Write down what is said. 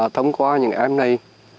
thông qua những em này